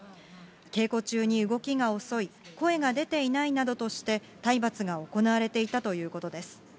稽古中に動きが遅い、声が出ていないなどとして、体罰が行われていたということです。